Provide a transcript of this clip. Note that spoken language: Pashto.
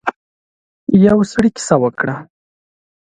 يو سړی کيسه وکړه.